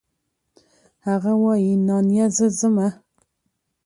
هغه وايي نانيه زه ځمه.